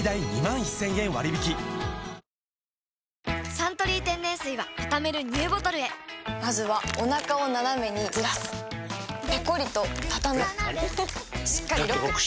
「サントリー天然水」はたためるＮＥＷボトルへまずはおなかをナナメにずらすペコリ！とたたむしっかりロック！